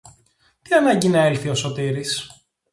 Τι ανάγκη να έλθει ο Σωτήρης;